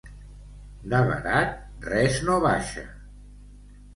De barat res no baixa.